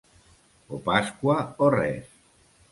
O Pasqua o res.